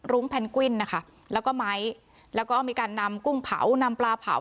แพนกวิ้นนะคะแล้วก็ไม้แล้วก็มีการนำกุ้งเผานำปลาเผา